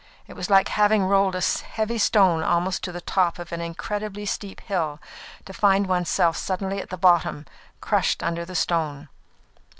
It was like having rolled a heavy stone almost to the top of an incredibly steep hill, to find oneself suddenly at the bottom, crushed under the stone.